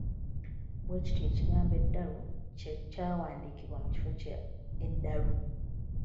Bwe kityo, ekigambo ‘edalu’ kye kyandiwandiikiddwa mu kifo kya ‘eddalu.’